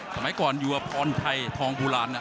สมัยก่อนอยู่ว่าพรไทยทองภูลาน